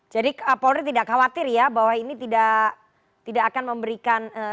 jadi polri tidak khawatir ya bahwa ini tidak akan memberikan